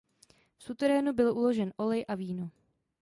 V suterénu byl uložen olej a víno.